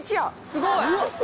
「すごい！」